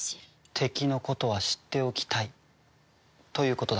敵のことは知っておきたいということだ。